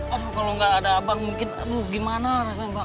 aduh kalau nggak ada abang mungkin gimana rasanya pak